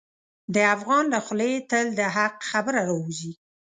د افغان له خولې تل د حق خبره راوځي.